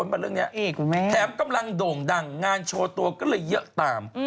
มาเรื่องนี้แถมกำลังโด่งดังงานโชว์ตัวก็เลยเยอะตาม